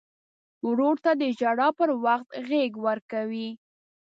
ورور ته د ژړا پر وخت غېږ ورکوي.